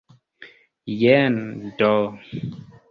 Jen do!